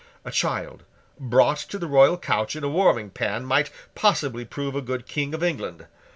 A child, brought to the royal couch in a warming pan, might possibly prove a good King of England.